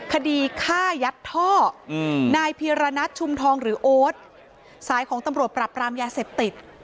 คดีฆ่ายัดท่อนายพีรณัชชุมทองหรือโอ๊ตสายของตำรวจปรับรามยาเสพติด